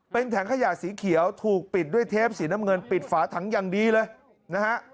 เป็นถังขยะสีเขียวถูกปิดด้วยเทปสีน้ำเงินปิดฝาถังอย่างดีเลยนะฮะ